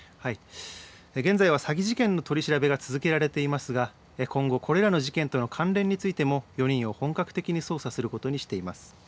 現在は詐欺事件の取り調べが続けられていますが今後、これらの事件との関連についても４人を本格的に捜査することにしています。